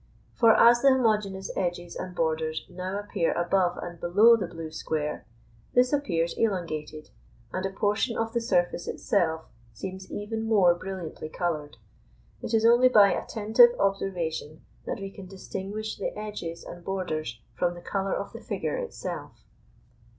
For as the homogeneous edges and borders now appear above and below the blue square, this appears elongated, and a portion of the surface itself seems even more brilliantly coloured: it is only by attentive observation that we can distinguish the edges and borders from the colour of the figure itself.